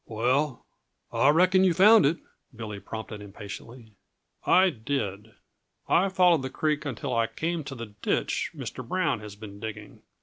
"Well, I reckon yuh found it," Billy prompted impatiently. "I did. I followed the creek until I came to the ditch Mr. Brown has been digging.